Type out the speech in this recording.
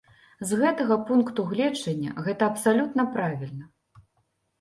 З гэтага пункту гледжання, гэта абсалютна правільна.